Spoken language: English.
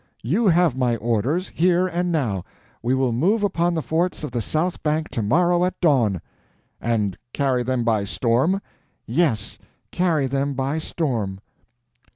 You have my orders—here and now. We will move upon the forts of the south bank to morrow at dawn." "And carry them by storm?" "Yes, carry them by storm!"